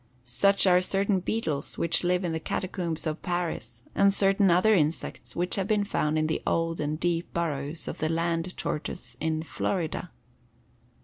Such are certain beetles which live in the catacombs of Paris, and certain other insects which have been found in the old and deep burrows of the land tortoise in Florida.